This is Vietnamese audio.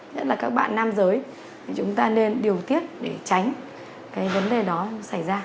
nhất là các bạn nam giới chúng ta nên điều tiết để tránh vấn đề đó xảy ra